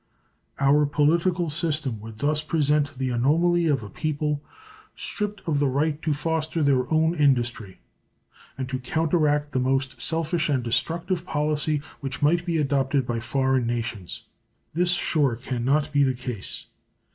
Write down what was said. Our political system would thus present the anomaly of a people stripped of the right to foster their own industry and to counteract the most selfish and destructive policy which might be adopted by foreign nations. This sure can not be the case.